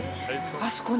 ◆あそこに。